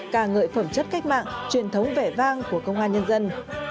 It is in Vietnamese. ca ngợi phẩm chất cách mạng truyền thống vẻ vang của công an nhân dân